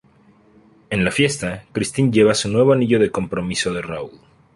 En la fiesta, Christine lleva su nuevo anillo de compromiso de Raoul.